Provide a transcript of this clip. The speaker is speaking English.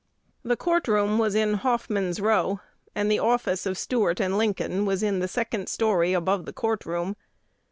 The courtroom was in Hoffman's Row; and the office of Stuart & Lincoln was in the second story above the court room.